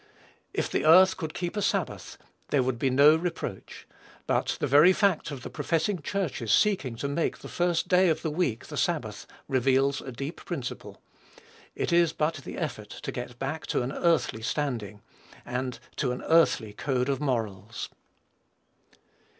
If earth could keep a sabbath, there would be no reproach; but the very fact of the professing church's seeking to make the first day of the week the sabbath, reveals a deep principle. It is but the effort to get back to an earthly standing, and to an earthly code of morals.